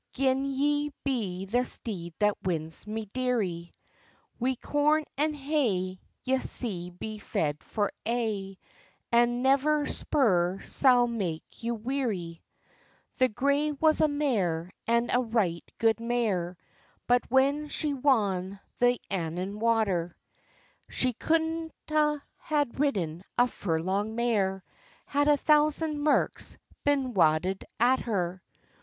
Gin ye be the steed that wins my deary, Wi' corn and hay ye'se be fed for aye, And never spur sall make you wearie." The gray was a mare, and a right good mare; But when she wan the Annan water, She couldna hae ridden a furlong mair, Had a thousand merks been wadded at her.